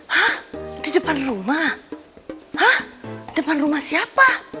hah di depan rumah hah depan rumah siapa